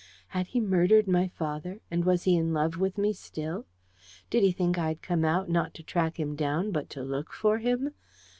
Had he murdered my father, and was he in love with me still? Did he think I'd come out, not to track him down, but to look for him?